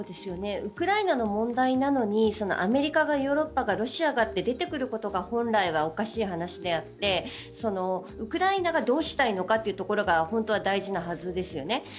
ウクライナの問題なのにアメリカがヨーロッパがロシアがって出てくることが本来はおかしい話であってウクライナがどうしたいのかというところが本当は大事なはずですよね。